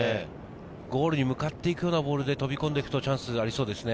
ゴールに向かっていくようなボールだとチャンスがありそうですね。